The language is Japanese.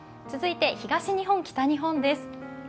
続いて東日本、北日本です。